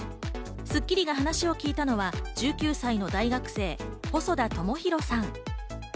『スッキリ』が話を聞いたのは１９歳の大学生・細田朋宏さん。